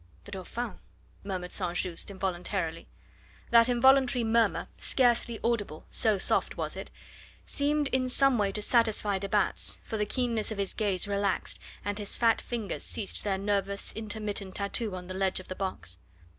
"The Dauphin," murmured St. Just involuntarily. That involuntary murmur, scarcely audible, so soft was it, seemed in some way to satisfy de Batz, for the keenness of his gaze relaxed, and his fat fingers ceased their nervous, intermittent tattoo on the ledge of the box.